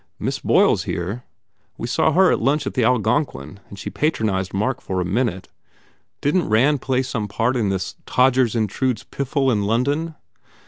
Miss Boyle s here. We saw her at lunch in the Algonquin and she patronized Mark for a minute. Didn t Rand play some part in this Todgers Intrudes piffle in London?"